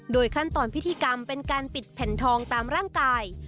ขั้นตอนพิธีกรรมเป็นการปิดแผ่นทองตามร่างกาย